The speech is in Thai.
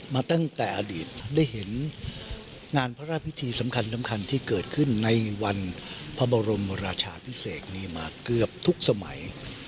มาตั้งแต่อดีตได้เห็นงานพระราชพิธีสำคัญสำคัญที่เกิดขึ้นในวันพระบรมราชาพิเศษนี้มาเกือบทุกสมัย